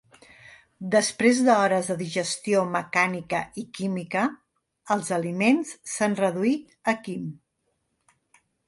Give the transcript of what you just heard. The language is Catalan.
Després d'hores de digestió mecànica i química, els aliments s'han reduït a quim.